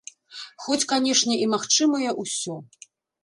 Хоць, канешне, і магчымае ўсё.